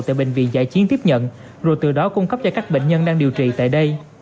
tại bệnh viện giải chiến tiếp nhận rồi từ đó cung cấp cho các bệnh nhân đang điều trị tại đây